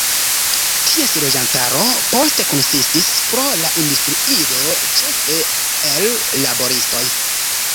Ties loĝantaro poste konsistis, pro la industriigo, ĉefe el laboristoj.